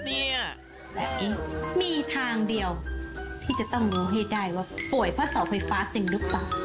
แต่มีทางเดียวที่จะต้องรู้ให้ได้ว่าป่วยเพราะเสาไฟฟ้าจริงหรือเปล่า